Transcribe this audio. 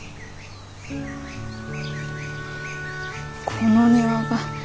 この庭が。